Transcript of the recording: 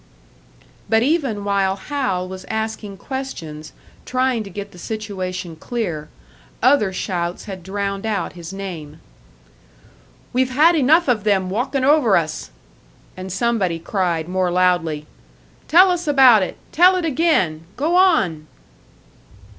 But even while Hal was asking questions, trying to get the situation clear, other shouts had drowned out his name. "We've had enough of them walking over us!" And somebody cried, more loudly, "Tell us about it! Tell it again! Go on!"